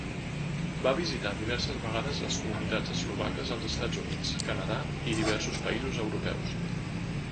Va visitar diverses vegades les comunitats eslovaques als Estats Units, Canadà i diversos països europeus.